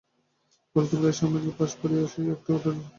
বলিতে বলিতে স্বামীজী পাশ ফিরিয়া শুইয়া একটু তন্দ্রাবিষ্ট হইলেন।